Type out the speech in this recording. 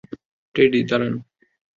Teddy, দাঁড়ান!